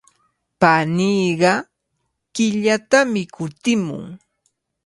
Paniiqa killatami kutimun.